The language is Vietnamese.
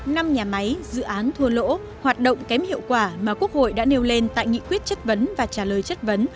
năm nhà máy dự án thua lỗ hoạt động kém hiệu quả mà quốc hội đã nêu lên tại nghị quyết chất vấn và trả lời chất vấn